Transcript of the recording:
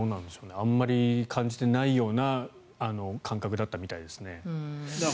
あまり感じていないような感覚だったみたいですね。